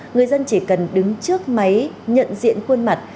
người dân chỉ cần đứng trước máy nhận diện khuôn mặt